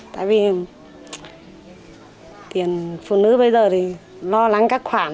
tại vì tiền phụ nữ bây giờ thì lo lắng các khoản